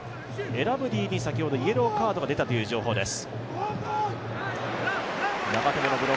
エラブディに先ほどイエローカードが出たという情報です。